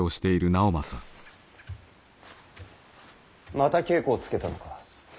また稽古をつけたのか。